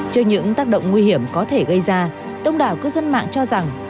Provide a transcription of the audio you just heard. trên những tác động nguy hiểm có thể gây ra đông đảo cư dân mạng cho rằng